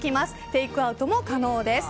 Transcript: テイクアウトも可能です。